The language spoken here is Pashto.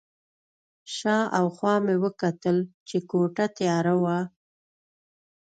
شا او خوا مې وکتل چې کوټه تیاره وه.